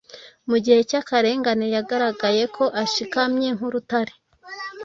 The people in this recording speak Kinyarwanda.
mu gihe cy'akarengane yagaragaye ko ashikamye nk'urutare,